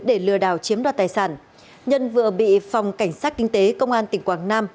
để lừa đảo chiếm đoạt tài sản nhân vừa bị phòng cảnh sát kinh tế công an tỉnh quảng nam